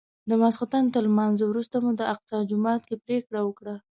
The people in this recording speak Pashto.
د ماسختن تر لمانځه وروسته مو په اقصی جومات کې پرېکړه وکړه.